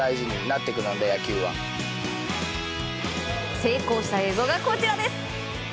成功した映像がこちらです。